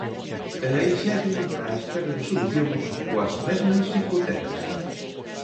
E aí seguen á espera de solución coas mesmas hipotecas.